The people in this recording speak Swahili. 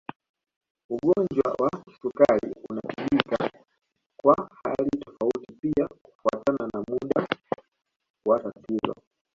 Ugonjwa wa kisukari unatibika kwa hali tofauti pia kufuatana na muda wa tatizo